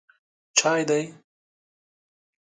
_چای دی؟